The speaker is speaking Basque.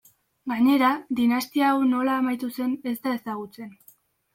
Gainera, dinastia hau nola amaitu zen ez da ezagutzen.